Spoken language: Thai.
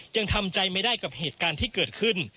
ยังทำใจไม่ได้กับเหตุการณ์ที่เกิดขึ้น